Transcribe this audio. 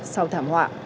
sau thảm họa